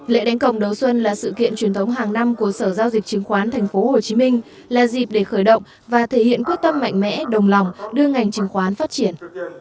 lễ đánh cổng đầu xuân là sự kiện truyền thống hàng năm của sở giao dịch chứng khoán tp hcm là dịp để khởi động và thể hiện quyết tâm mạnh mẽ đồng lòng đưa ngành chứng khoán phát triển